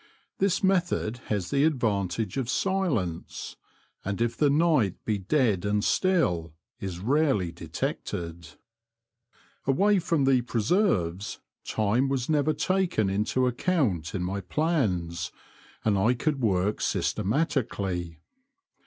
This method has the advantage of silence, and if the night be dead and still, is rarely detected. Away from the preserves, time was never taken into account in my plans, and I could work systematically.